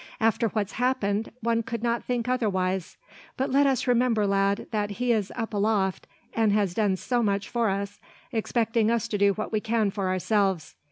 "After what's happened, one could not think otherwise; but let us remember, lad, that He is up aloft, an' has done so much for us, expecting us to do what we can for ourselves.